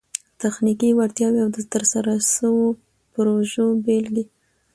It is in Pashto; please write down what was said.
تخنیکي وړتیاوي او د ترسره سوو پروژو بيلګي